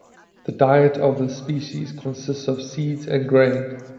The diet of this species consists of seeds and grain.